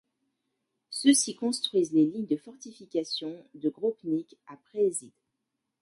Ceux-ci, construisent les lignes de fortification de Grobnik à Prezid.